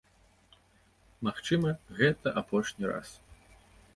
Магчыма, гэта апошні раз.